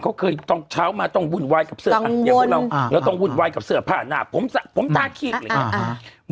เขาเคยต้องเช้ามาต้องวุ่นวายกับเสือผ้าหน้าผมตาคีกเลยครับ